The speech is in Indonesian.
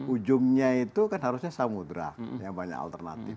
ujungnya itu kan harusnya samudera yang banyak alternatif